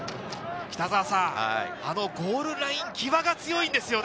ゴールライン際が強いんですよね。